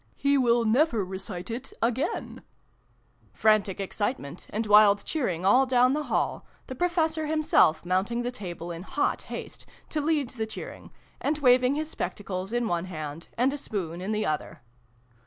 " He will never recite it again !" (Frantic excitement, and wild cheering all down the hall, the Professor himself mounting the table in hot haste, to lead the cheering, and waving his spectacles in one hand and a spoon in the other.)